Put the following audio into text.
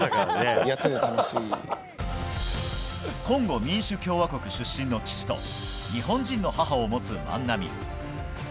コンゴ民主共和国出身の父と日本人の母を持つ万波。